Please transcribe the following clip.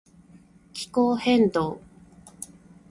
気候変動